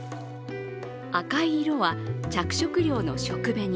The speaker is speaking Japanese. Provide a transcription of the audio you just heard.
赤い色は着色料の食紅。